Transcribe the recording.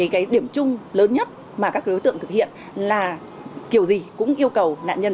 cái điểm chung lớn nhất mà các đối tượng thực hiện là kiểu gì cũng yêu cầu nạn nhân